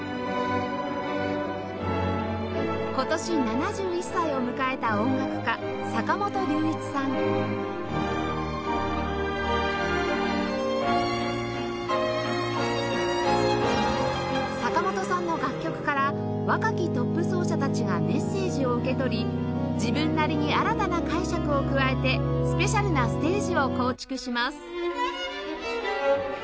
今年７１歳を迎えた坂本さんの楽曲から若きトップ奏者たちがメッセージを受け取り自分なりに新たな解釈を加えてスペシャルなステージを構築します